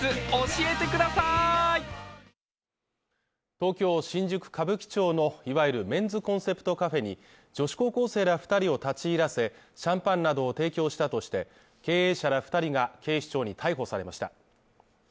東京・新宿歌舞伎町のいわゆるメンズコンセプトカフェに女子高校生ら２人を立ち入らせシャンパンなどを提供したとして、経営者ら２人が警視庁に逮捕されました。